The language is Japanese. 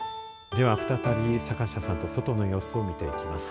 では再び坂下さんと外の様子を見ていきます。